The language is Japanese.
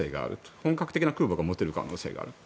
本格的な空母を持てる可能性がある。